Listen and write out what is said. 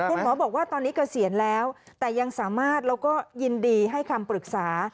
คุณหมอบอกว่าตอนนี้เกษียณแล้วแต่ยังสามารถแล้วก็ยินดีให้คำปรึกษา